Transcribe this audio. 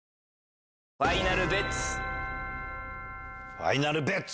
ファイナルベッツ？